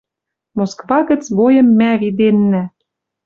Москва гӹц бойым мӓ виденнӓ